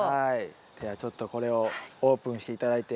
ではちょっとこれをオープンして頂いて。